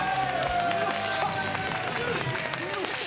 よっしゃ！